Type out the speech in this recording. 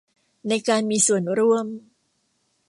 ในการมีส่วนร่วม